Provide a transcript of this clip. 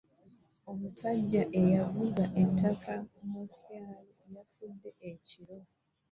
Omusajja eyaguze ettaka mu kyaalo yafude ekiro.